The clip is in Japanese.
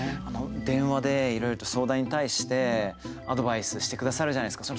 電話で、いろいろと相談に対してアドバイスしてくださるじゃないですか。